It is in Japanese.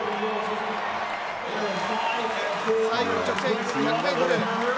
最後の直線１００ｍ。